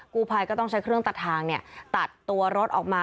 กู้ภัยก็ต้องใช้เครื่องตัดทางตัดตัวรถออกมา